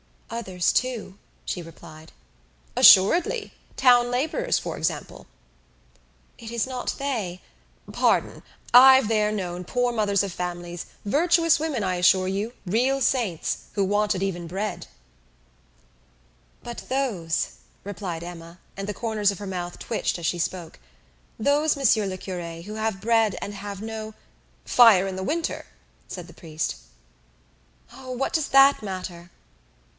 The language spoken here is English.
"Others, too," she replied. "Assuredly. Town labourers, for example." "It is not they " "Pardon! I've there known poor mothers of families, virtuous women, I assure you, real saints, who wanted even bread." "But those," replied Emma, and the corners of her mouth twitched as she spoke, "those, Monsieur le Cure, who have bread and have no " "Fire in the winter," said the priest. "Oh, what does that matter?"